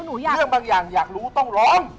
เรื่องบางอย่างอยากรู้ต้องร้อง